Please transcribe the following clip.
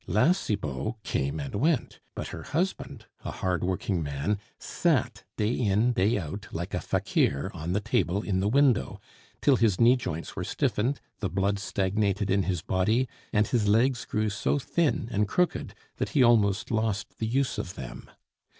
La Cibot came and went; but her husband, a hard working man, sat day in day out like a fakir on the table in the window, till his knee joints were stiffened, the blood stagnated in his body, and his legs grew so thin and crooked that he almost lost the use of them.